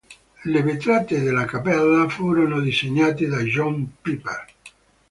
Le vetrate della cappella furono disegnate da John Piper.